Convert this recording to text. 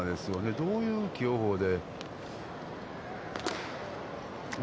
どういう起用法で。